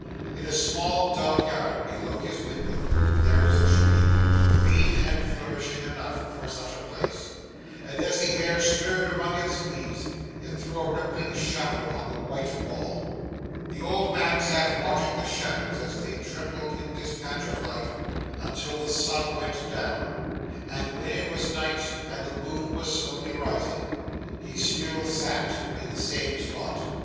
In a small dull yard below his window, there was a tree green and flourishing enough, for such a place and as the air stirred among its leaves, it threw a rippling shadow on the white wall. The old man sat watching the shadows as they trembled in this patch of light, until the sun went down; and when it was night, and the moon was slowly rising, he still sat in the same spot.